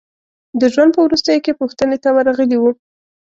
د ژوند په وروستیو کې پوښتنې ته ورغلي وو.